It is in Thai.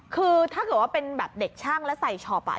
คือถ้าเกิดว่าเป็นแบบเด็กช่างแล้วใส่ช็อป